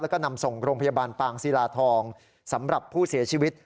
แล้วก็นำส่งโรงพยาบาลปางศิลาทองสำหรับผู้เสียชีวิต